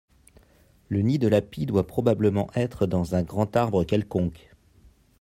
Le nid de la pie doit probablement être dans un grand arbre quelconque.